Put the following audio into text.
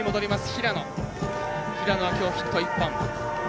平野は、きょう、ヒット１本。